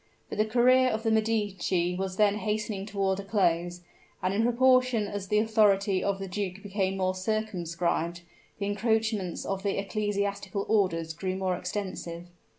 But the career of the Medici was then hastening toward a close; and in proportion as the authority of the duke became more circumscribed, the encroachments of the ecclesiastical orders grew more extensive.